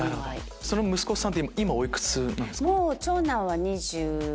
その息子さんって今おいくつなんですか？